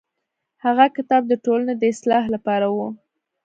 هغه کتاب د ټولنې د اصلاح لپاره و.